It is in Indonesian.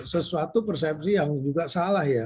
sesuatu persepsi yang juga salah ya